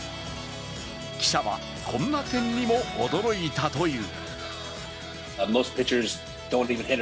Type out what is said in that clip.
記者は、こんな点にも驚いたという。